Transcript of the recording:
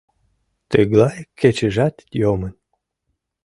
Тыглай кечыжат йомын.